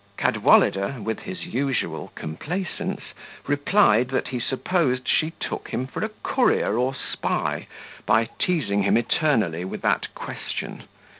Cadwallader, with his usual complaisance, replied, that he supposed she took him for a courier or spy, by teasing him eternally with that question.